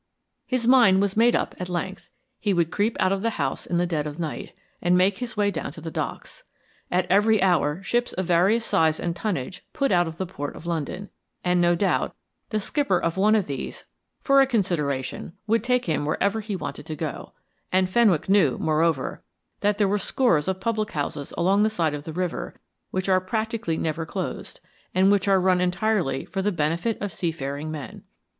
His mind was made up at length; he would creep out of the house in the dead of the night and make his way down to the Docks. At every hour ships of various size and tonnage put out of the port of London, and, no doubt, the skipper of one of these for a consideration would take him wherever he wanted to go; and Fenwick knew, moreover, that there were scores of public houses along the side of the river which are practically never closed, and which are run entirely for the benefit of seafaring men.